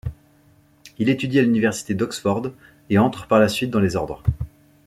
Il étudie à l'université d'Oxford et entre par la suite dans les ordres.